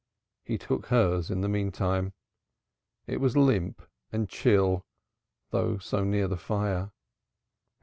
He took hers in the meantime. It was limp and chill, though so near the fire.